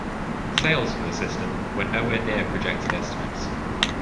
Sales for the system were nowhere near projected estimates.